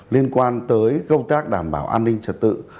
liên quan tới công tác đảm bảo an ninh trật tự